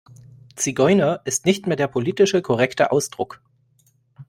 Zigeuner ist nicht mehr der politische korrekte Ausdruck.